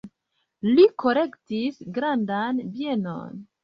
Li kolektis grandan bienon.